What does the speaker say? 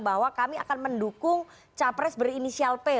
bahwa kami akan mendukung capres berinisial p